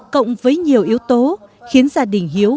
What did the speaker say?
cộng với nhiều yếu tố khiến gia đình hiểu